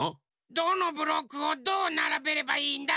どのブロックをどうならべればいいんだ？